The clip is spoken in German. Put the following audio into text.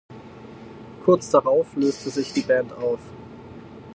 Kurz darauf löste sich die Band auf.